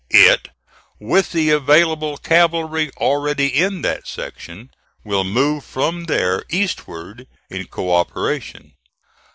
It, with the available cavalry already in that section, will move from there eastward, in co operation.